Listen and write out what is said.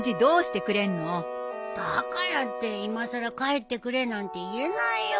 だからっていまさら帰ってくれなんて言えないよ。